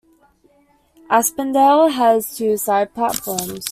Aspendale has two side platforms.